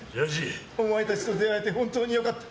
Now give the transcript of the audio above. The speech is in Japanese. お前たちと出会えて本当によかった。